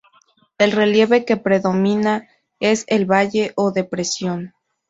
El relieve que predomina es el valle o depresión.